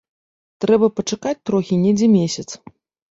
Трэба пачакаць трохі, недзе месяц.